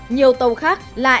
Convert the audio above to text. nhiều tàu khác lại